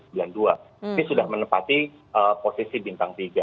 ini sudah menempati posisi bintang tiga